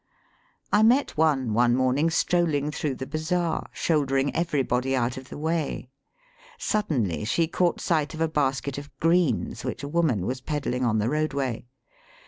I met one one morning strolling through the bazaar, shouldering everybody out of the way. Sud denly she caught sight of a basket of greens which a woman was peddling on the roadway.